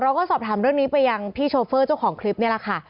เราก็สอบถามเรื่องนี้ไปยังพี่โชเฟอร์เจ้าของคลิปนี่แหละค่ะ